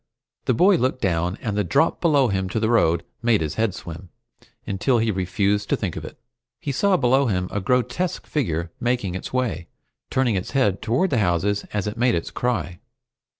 The boy looked down, and the drop below him to the road made his head swim, until he refused to think of it. He saw below him a grotesque figure making its way, turning its head toward the houses as it made its cry.